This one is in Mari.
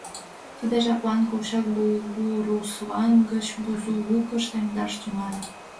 Тиде жаплан Колчак Бугуруслан гыч Бузулукыш темдаш тӱҥале.